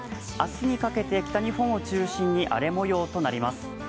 明日にかけて北日本を中心に荒れ模様となります。